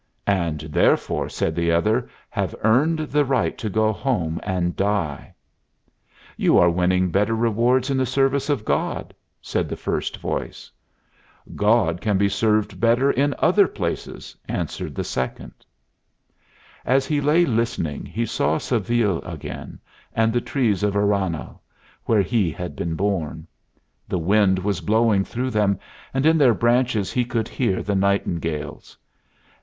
"And, therefore," said the other, "have earned the right to go home and die." "You are winning better rewards in the service of God," said the first voice. "God can be better served in other places," answered the second. As he lay listening he saw Seville again, and the trees of Aranhal, where he had been born. The wind was blowing through them, and in their branches he could hear the nightingales.